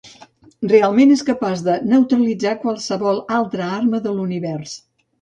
Realment és capaç de neutralitzar qualsevol altra arma de l'univers.